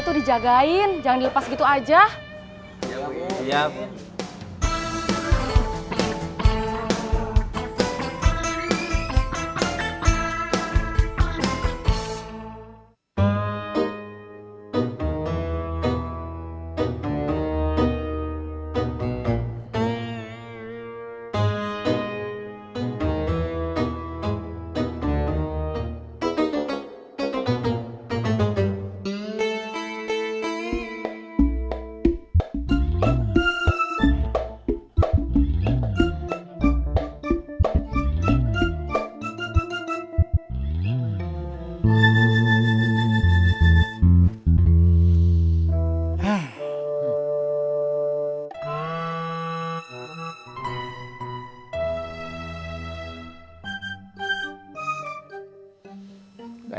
sugernya dong teh dua